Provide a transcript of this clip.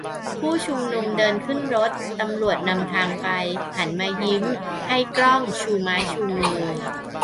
ผู้ชุมนุมเดินขึ้นรถ ตำรวจนำทางไป หันมายิ้มให้กล้องชูไม้ชูมือ